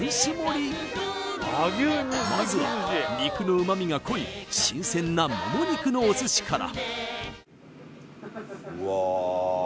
まずは肉の旨みが濃い新鮮なもも肉のお寿司からうわ